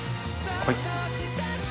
はい。